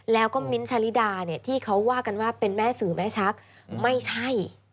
แล้วก็มิ้นท์ชาลิดาเนี่ยที่เขาว่ากันว่าเป็นแม่สื่อแม่ชักไม่ใช่